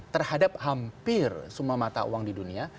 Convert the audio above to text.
terhadap hampir semua mata uang di dunia